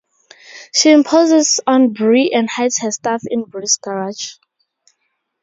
She imposes on Bree and hides her stuff in Bree's garage.